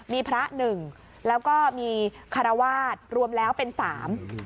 มีพระหนึ่งแล้วก็มีคารวาสรวมแล้วเป็นสาม